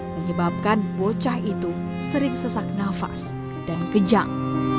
menyebabkan bocah itu sering sesak nafas dan kejang